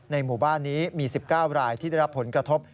หมู่บ้านนี้มี๑๙รายที่ได้รับผลกระทบ